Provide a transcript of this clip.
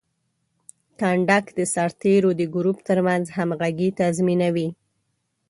کنډک د سرتیرو د ګروپ ترمنځ همغږي تضمینوي.